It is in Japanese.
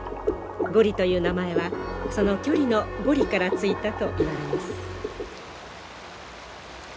ゴリという名前はその距離の「５里」から付いたといわれます。